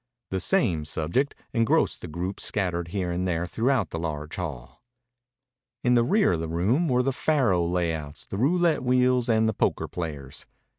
The same subject engrossed the groups scattered here and there throughout the large hall. In the rear of the room were the faro layouts, the roulette wheels, and the poker players.